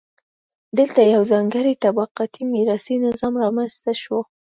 دلته یو ځانګړی طبقاتي میراثي نظام رامنځته شو.